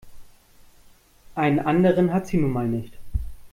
Einen anderen hat sie nun mal nicht.